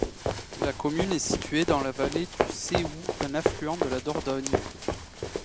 La commune est située dans la vallée du Céou, un affluent de la Dordogne.